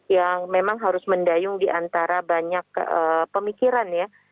yang memang harus mendayung diantara banyak pemikiran ya